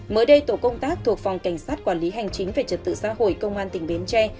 mới đây tổ công tác thuộc phòng cảnh sát quản lý hành chính về trật tự xã hội công an tỉnh bến tre